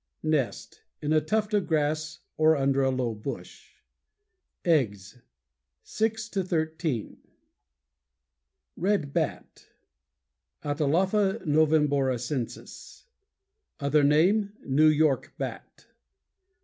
NEST In a tuft of grass or under a low bush. EGGS Six to thirteen. Page 170. =RED BAT= Atalapha noveboracensis. Other name: "New York Bat."